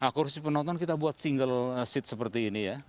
akursi penonton kita buat single seat seperti ini ya